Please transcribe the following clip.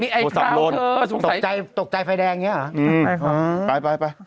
โทรศัพท์โลนตกใจไฟแดงอย่างนี้เหรออืมไป